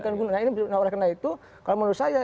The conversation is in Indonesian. nah ini benar benar itu kalau menurut saya